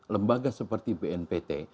lembaga seperti bnpt